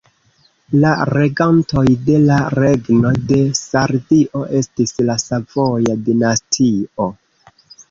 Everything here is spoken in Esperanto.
La regantoj de la Regno de Sardio estis la Savoja dinastio.